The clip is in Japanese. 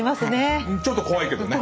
うんちょっと怖いけどね。